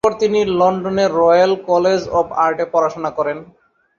এরপর তিনি লন্ডনের রয়েল কলেজ অফ আর্টে পড়াশুনা করেন।